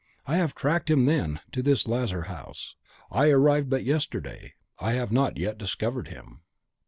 I have tracked him, then, to this Lazar House. I arrived but yesterday; I have not yet discovered him.